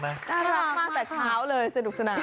น่ารักนะน่ารักมากแต่เช้าเลยสนุกสนาย